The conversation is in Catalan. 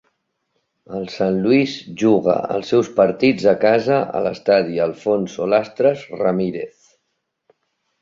El San Luis juga els seus partits a casa a l'estadi Alfonso Lastras Ramírez.